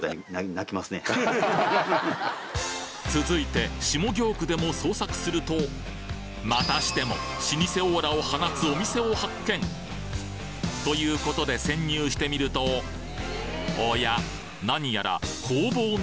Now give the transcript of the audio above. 続いて下京区でも捜索するとまたしても老舗オーラを放つお店を発見ということで潜入してみるとおや？